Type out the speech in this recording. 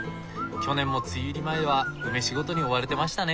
去年も梅雨入り前は梅仕事に追われてましたね。